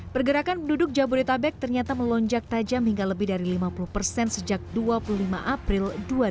pergerakan penduduk jabodetabek ternyata melonjak tajam hingga lebih dari lima puluh persen sejak dua puluh lima april dua ribu dua puluh